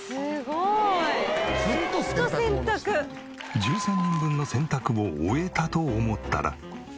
１３人分の洗濯を終えたと思ったら。